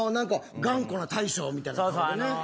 頑固な大将みたいな顔でね。